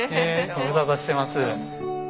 ご無沙汰してます。